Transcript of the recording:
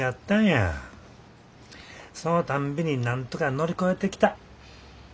そのたんびになんとか乗り越えてきた。